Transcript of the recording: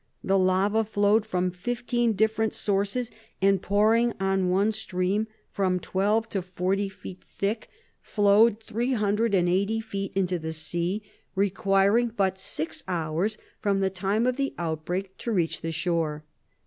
The lava flowed from fifteen different sources, and pouring in one stream from twelve to forty feet thick, flowed three hundred and eighty feet into the sea, requiring but six hours from the time of the outbreak to reach the shore.